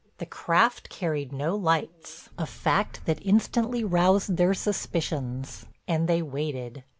The craft carried no lights, a fact that instantly roused their suspicions, and they waited.